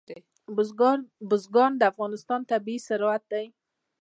بزګان د افغانستان طبعي ثروت دی.